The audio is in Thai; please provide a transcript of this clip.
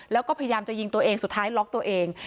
แล้วก็พยายามจะยิงตัวเองสุดท้ายล็อกตัวเอง